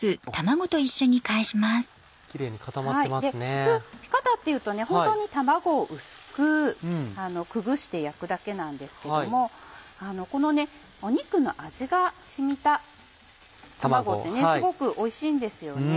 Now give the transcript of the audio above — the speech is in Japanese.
普通ピカタっていうとホントに卵を薄くくぐして焼くだけなんですけども肉の味が染みた卵ってねすごくおいしいんですよね。